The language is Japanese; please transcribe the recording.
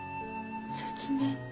説明？